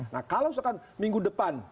nah kalau misalkan minggu depan